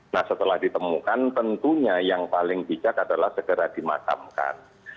nah setelah ditemukan tentunya yang paling bijak adalah segera dimakamkan